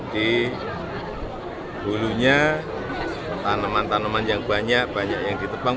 di hulunya tanaman tanaman yang banyak banyak yang ditebang